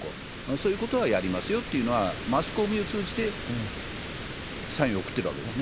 そういうことはやりますよというのは、マスコミを通じてサインを送ってるわけですね。